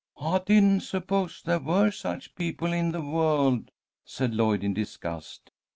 "I didn't suppose there were such people in the world," said Lloyd, in disgust.